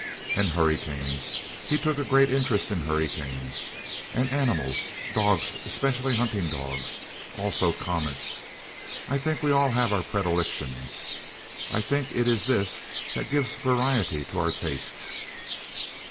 "And hurricanes... He took a great interest in hurricanes. And animals. Dogs, especially hunting dogs. Also comets. I think we all have our predilections. I think it is this that gives variety to our tastes."